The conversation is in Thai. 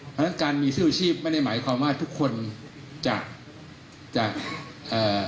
เพราะฉะนั้นการมีชื่ออาชีพไม่ได้หมายความว่าทุกคนจะจากจะจากจะเอ่อ